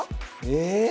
え？